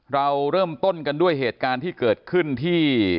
เราเริ่มต้นกันด้วยเหตุการณ์ที่เกิดขึ้นที่